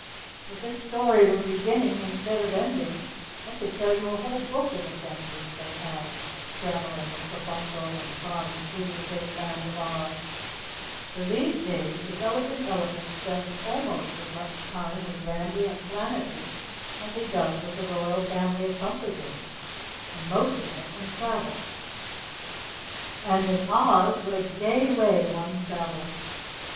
If this story were beginning instead of ending, I could tell you a whole book of adventures they had traveling with Kabumpo and Thun through the great Land of Oz, for these days the Elegant Elephant spends almost as much time with Randy and Planetty as he does with the Royal Family of Pumperdink, and most of it in travel. And in Oz, what a gay way one travels!